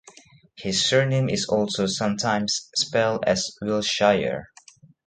His surname is also sometimes spelled as Wilshire.